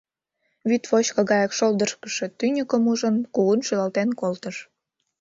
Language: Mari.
Вӱд вочко гаяк шолдыргышо тӱньыкым ужын, кугун шӱлалтен колтыш.